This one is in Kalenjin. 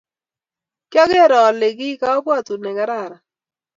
kiager ale ki kabwotut nekararan.